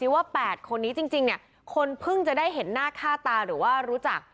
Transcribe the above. ว่า๘คนนี้จริงเนี่ยคนเพิ่งจะได้เห็นหน้าค่าตาหรือว่ารู้จัก